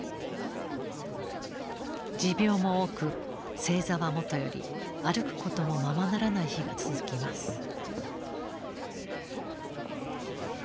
持病も多く正座はもとより歩くこともままならない日が続きます。